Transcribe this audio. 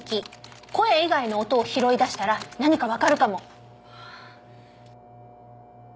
声以外の音を拾い出したら何かわかるかも。